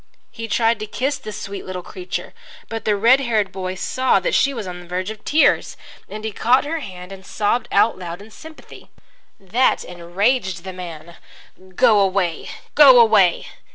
He tried to kiss the sweet little creature, but the red haired boy saw that she was on the verge of tears, and he caught her hand and sobbed out loud in sympathy. That enraged the man. "Go away! Go away!